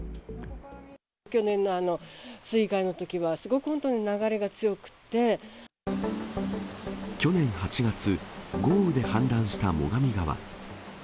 去年の水害のときは、すごく去年８月、豪雨で氾濫した最上川。